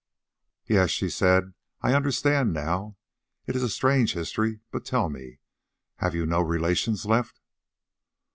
"Yes," she said, "I understand now. It is a strange history. But tell me, have you no relations left?"